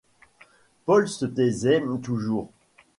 Paul se taisait toujours.